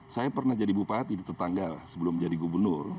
saya pernah jadi bupati di tetangga sebelum jadi gubernur